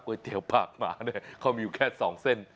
ก๋วยเตี๋ยวปากหมาเขามีอยู่แค่๒เส้น